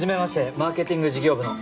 マーケティング事業部の浅川です。